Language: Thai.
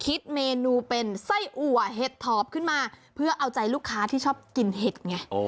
คิดเมนูเป็นไส้อัวเห็ดถอบขึ้นมาเพื่อเอาใจลูกค้าที่ชอบกินเห็ดไง